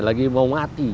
lagi mau mati